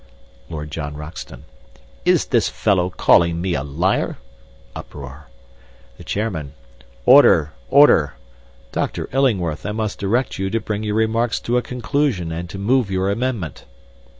"LORD JOHN ROXTON: 'Is this fellow calling me a liar?' (Uproar.) "THE CHAIRMAN: 'Order! order! Dr. Illingworth, I must direct you to bring your remarks to a conclusion and to move your amendment.'